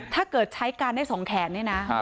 ถ้าเกิดใช้การได้สองแขนนะไปรู้จะเกิดอะไรขึ้นน่ะ